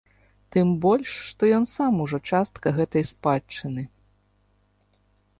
Тым больш што ён сам ужо частка гэтай спадчыны.